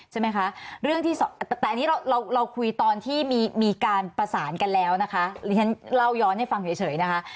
ใช่ไหมคะเรื่องที่แต่อันนี้เราคุยตอนที่มีการประสานกันแล้วนะคะเรียนเล่าย้อนให้ฟังเฉยนะคะ